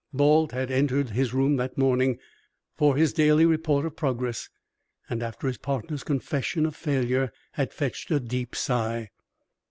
Balt had entered his room that morning for his daily report of progress, and after his partner's confession of failure had fetched a deep sigh.